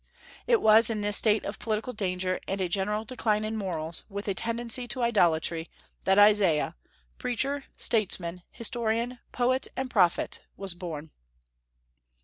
It was in this state of political danger and a general decline in morals, with a tendency to idolatry, that Isaiah preacher, statesman, historian, poet, and prophet was born.